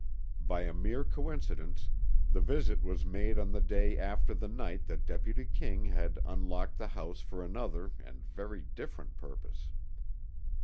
By a mere coincidence, the visit was made on the day after the night that Deputy King had unlocked the house for another and very different purpose.